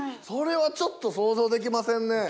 それはちょっと想像できませんね。